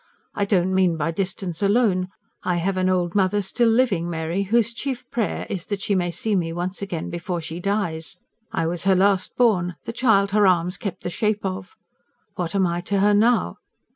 I don't mean by distance alone. I have an old mother still living, Mary, whose chief prayer is that she may see me once again before she dies. I was her last born the child her arms kept the shape of. What am I to her now?